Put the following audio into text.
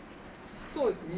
そうですね。